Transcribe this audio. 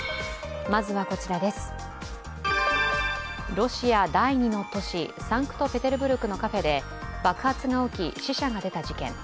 ロシア第２の都市、サンクトペテルブルクのカフェで死者が出た事件。